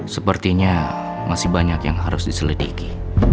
sepertinya masih banyak yang harus diselidiki